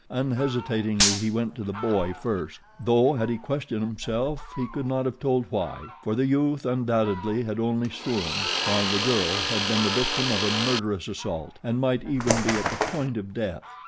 Unhesitatingly he went to the boy first though had he questioned himself he could not have told why; for the youth, undoubtedly, had only swooned, while the girl had been the victim of a murderous assault and might even be at the point of death.